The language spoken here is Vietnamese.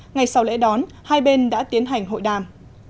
ngày sau lễ đón hai bên đã tiến hành hội đàm